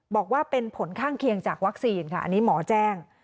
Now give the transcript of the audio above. บอกว่าเป็นผลข้างเคียงจากวัคซีนค่ะอันนี้หมอแจ้ง